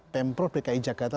pemprov dki jakarta